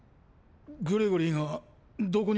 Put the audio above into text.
グレゴリーがどこにもいねぇ。